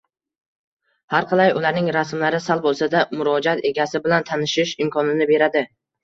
Harqalay ularning rasmlari sal bo`lsa-da murojaat egasi bilan tanishish imkonini beradi